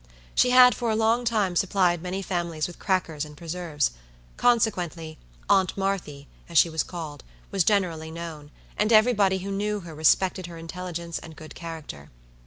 She had for a long time supplied many families with crackers and preserves; consequently, "Aunt Marthy," as she was called, was generally known, and every body who knew her respected her intelligence and good character.